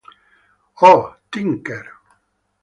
Oh, Tinker!